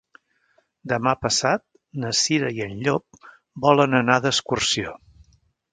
Demà passat na Cira i en Llop volen anar d'excursió.